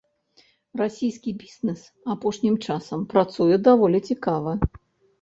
Расійскі бізнес апошнім часам працуе даволі цікава.